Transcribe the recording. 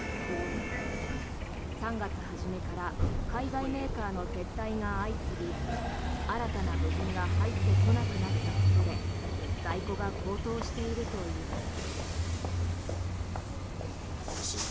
３月初めから海外メーカーの撤退が相次ぎ新たな部品が入ってこなくなったことで在庫が高騰しているといいます。